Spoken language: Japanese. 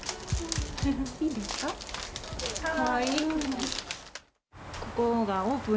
いいですか？